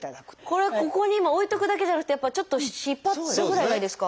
これここに置いとくだけじゃなくてちょっと引っ張るぐらいがいいですか？